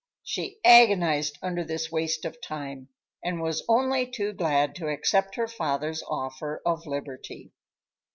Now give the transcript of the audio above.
She agonized under this waste of time, and was only too glad to accept her father's offer of liberty.